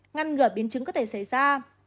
ngăn ngửa biến chứng có thể xảy ra